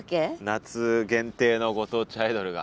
夏限定のご当地アイドルが。